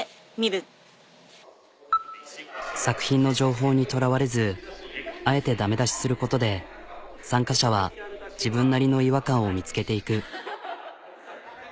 作品の情報にとらわれずあえてダメ出しすることで参加者は自分なりの違和感を見つけていく。